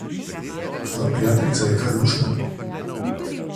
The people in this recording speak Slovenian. Tvoja prijateljica je kar luštna.